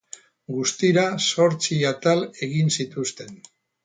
Guztira zortzi atal egin zituzten.